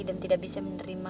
dan tidak bisa menerima